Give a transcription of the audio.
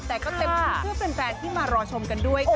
เป็นเพื่อนแฟนที่มารอชมกันด้วยค่ะ